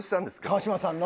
川島さんの？